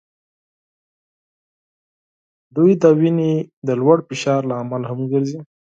هغوی د وینې د لوړ فشار لامل هم ګرځي.